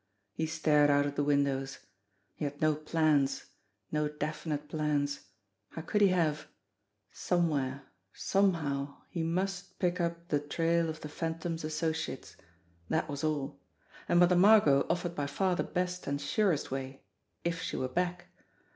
He stared out of the windows. He had no plans no definite plans. How could he have ? Somewhere, somehow, he must pick up the trail of the Phantom's associates. That was all. And Mother Margot offered by far the best and surest way if she were back.